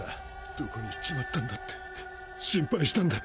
どこに行っちまったんだって心配したんだ。